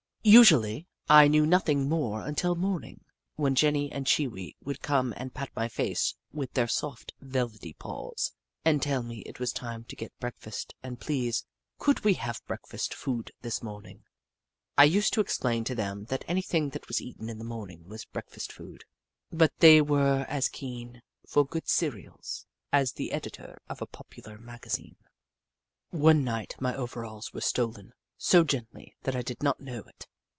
Usually, I knew nothing more until morning, when Jenny and Chee Wee would come and pat my face with their soft, velvety paws, and tell me it was time to get breakfast, and, please, could we have breakfast food this morning ? I used to explain to them that anything that was eaten in the morning was breakfast food, 1 88 The Book of Clever Beasts but they were as keen for good cereals as the editor of a popular magazine. One night my overalls were stolen, so gently that I did not know it.